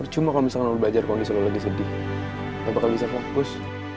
cuma kalau misalnya lo belajar kondisi lo lagi sedih lo bakal bisa fokus